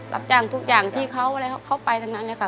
รับจ้างทุกอย่างที่เขาอะไรเขาไปทั้งนั้นเลยค่ะ